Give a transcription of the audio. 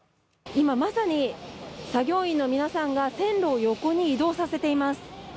今、まさに作業員の皆さんが線路を横に移動させています。